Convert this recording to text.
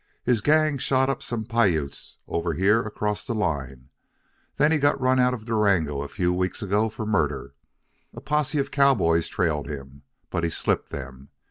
His gang shot up some Piutes over here across the line. Then he got run out of Durango a few weeks ago for murder. A posse of cowboys trailed him. But he slipped them.